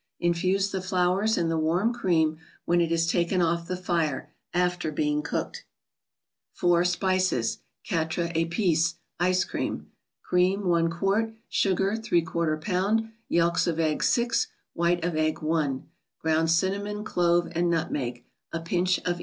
Infuse the flowers in the warm cream, when it is taken off the fire, after being cooked. four £a>pkeg (€*uatre*Cptcej$) 3Ice= Cream. Cream, i qt.; Sugar, Z A lb.; Yelks of Eggs, 6 ; White of Egg, i; Ground Cinnamon, Clove and Nutmeg, a pinch of each.